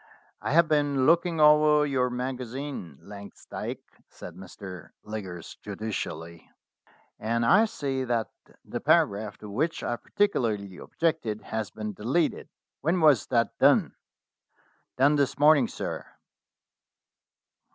"I have been looking over your magazine, Langs dyke," said Mr. Liggers judicially, "and I see that the paragraph to which I particularly objected has been deleted. When was that done?" "Done this morning, sir."